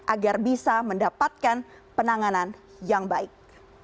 agar bisa mendapatkan penanganan yang baik